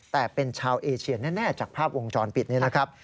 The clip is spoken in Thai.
แต่เป็นชาวเอเชียแน่จากภาพวงจรปิดนี้นะครับ